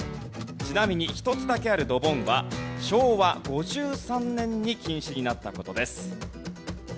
ちなみに１つだけあるドボンは昭和５３年に禁止になった事です。